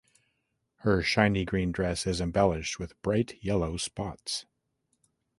Her shiny green dress is embellished with bright yellow spots.